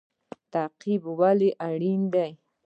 تعقیب ولې اړین دی؟